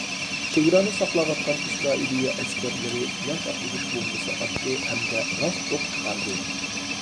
چېگرانى ساقلاۋاتقان ئىسرائىلىيە ئەسكەرلىرى ياش ئاققۇزۇش بومبىسى ئاتتى ھەمدە راست ئوق چىقاردى.